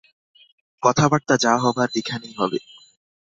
কথাবার্তা যা হবার এখানেই হবে।